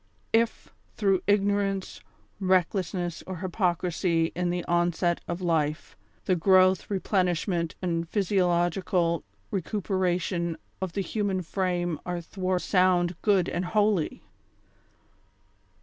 If, through ignorance, recklessness or hypocrisy in the onset of life, the growth, replenishment and physiological recuperation of the human frame are thwarted, how can we become sound, good and holy?